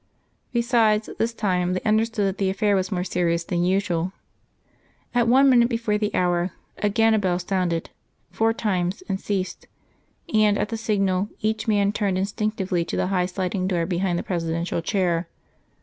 Besides, this time, they understood that the affair was more serious than usual. At one minute before the hour, again a bell sounded, four times, and ceased; and at the signal each man turned instinctively to the high sliding door behind the Presidential chair.